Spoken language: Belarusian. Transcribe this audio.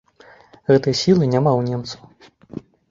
Гэтай сілы няма ў немцаў.